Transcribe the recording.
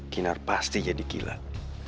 kinar pasti jadi kilat